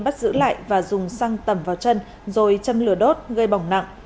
bắt giữ lại và dùng xăng tẩm vào chân rồi châm lửa đốt gây bỏng nặng